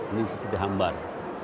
ini seperti hambar